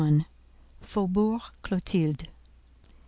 FAUBOURG CLOTILDE.